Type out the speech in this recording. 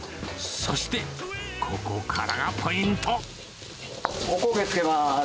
そして、ここからがポイント。